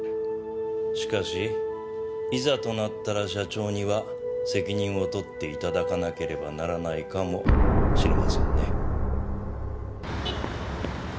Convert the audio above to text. しかしいざとなったら社長には責任を取っていただかなければならないかもしれませんね。